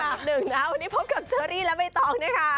วันนี้พบกับเชอรี่และใบตองนะคะ